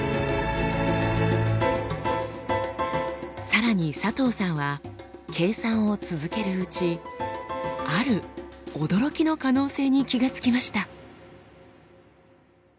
さらに佐藤さんは計算を続けるうちある驚きの可能性に気が付きました。